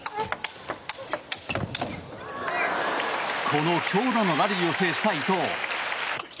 この強打のラリーを制した伊藤。